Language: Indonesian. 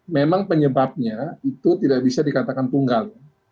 memang penyebabnya itu tidak bisa dikatakan tunggal